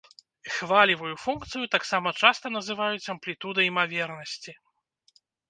Хвалевую функцыю таксама часта называюць амплітудай імавернасці.